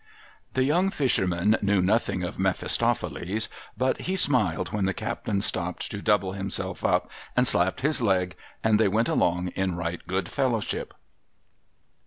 The young fisherman knew nothing of Mephistopheles ; Init he smiled when the captain stopped to double himself up and slap his leg, and they went along in right good fellowship.